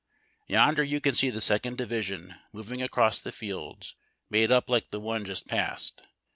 Yonder you can see the Second Division moving across the fields, made up like the one just passed.